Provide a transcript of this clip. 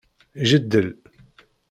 Jeddel.